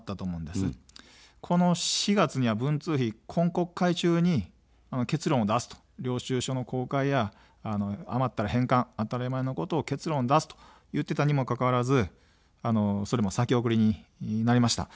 この４月には文通費、今国会中に結論を出すと、領収書の公開や余ったら返還、当たり前のことを結論出すと言っていたにもかかわらず、それも先送りになりました。